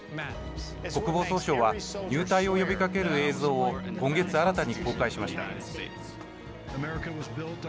国防総省は、入隊を呼びかける映像を、今月新たに公開しました。